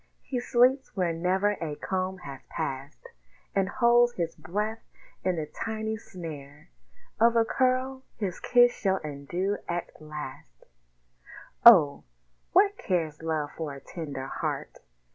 He sleeps where never a comb has passed, And holds his breath in the tiny snare Of a curl his kiss shall undo at last Oh! what cares Love for a tender heart?